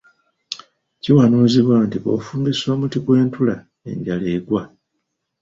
Kiwanuuzibwa nti bw’ofumbisa omuti gw’entula enjala egwa.